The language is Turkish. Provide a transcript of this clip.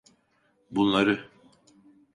Bunları…